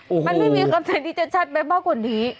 มันไม่มีคำถามที่จะชัดไปมากกว่านี้